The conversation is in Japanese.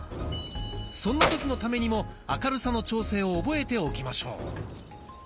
そんな時のためにも明るさの調整を覚えておきましょう。